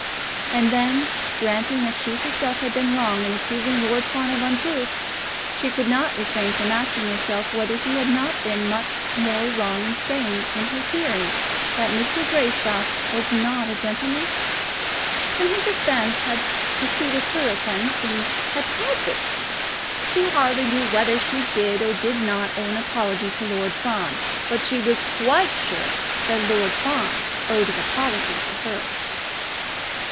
And then, granting that she herself had been wrong in accusing Lord Fawn of untruth, she could not refrain from asking herself whether he had not been much more wrong in saying in her hearing that Mr. Greystock was not a gentleman? And his offence had preceded her offence, and had caused it! She hardly knew whether she did or did not owe an apology to Lord Fawn, but she was quite sure that Lord Fawn owed an apology to her.